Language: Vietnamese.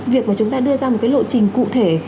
việc mà chúng ta đưa ra một cái lộ trình cụ thể